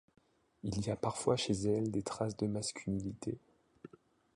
Il y a parfois chez elle des traces de masculinité.